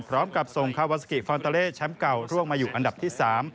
พร้อมกับส่งคาวาซากิฟอนตาเล่แชมป์เก่าร่วงมาอยู่อันดับที่๓